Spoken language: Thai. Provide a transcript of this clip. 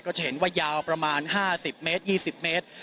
จะเห็นว่ายาวประมาณ๕๐เมตร๒๐เมตร